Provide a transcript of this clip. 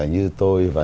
như tôi và